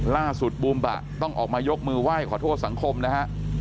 บูมบะต้องออกมายกมือไหว้ขอโทษสังคมนะฮะ